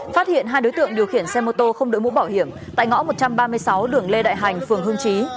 phát hiện hai đối tượng điều khiển xe mô tô không đổi mũ bảo hiểm tại ngõ một trăm ba mươi sáu đường lê đại hành phường hương trí